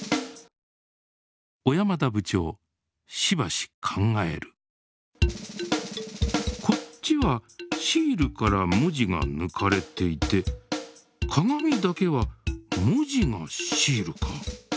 小山田部長しばし考えるこっちはシールから文字がぬかれていて「カガミ」だけは文字がシールか。